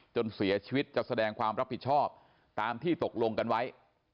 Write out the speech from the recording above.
จนเสียชีวิตจะแสดงความรับผิดชอบตามที่ตกลงกันไว้